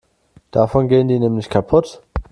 Davon gehen die nämlich kaputt.